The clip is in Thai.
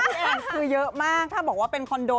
แอนคือเยอะมากถ้าบอกว่าเป็นคอนโด